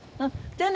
じゃあね。